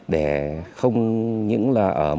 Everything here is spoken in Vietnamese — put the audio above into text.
để không những là ở một chỗ nhưng là ở một chỗ